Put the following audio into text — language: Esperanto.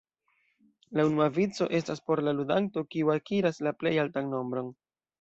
La unua vico estas por la ludanto kiu akiras la plej altan nombron.